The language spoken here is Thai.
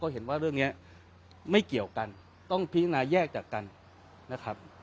เห็นว่าเรื่องนี้ไม่เกี่ยวกันต้องพิจารณาแยกจากกันนะครับ